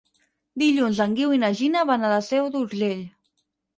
Dilluns en Guiu i na Gina van a la Seu d'Urgell.